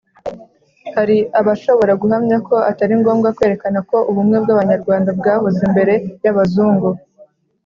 Hari abashobora guhamya ko atari ngombwa kwerekana ko ubumwe bw'Abanyarwanda bwahozeho mbere y'Abazungu.